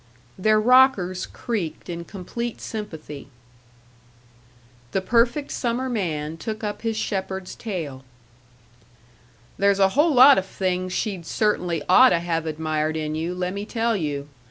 Their rockers creaked in complete sympathy. The perfect summer man took up his shepherd's tale: "There's a whole lot of things she'd certainly oughta have admired in you, lemme tell you.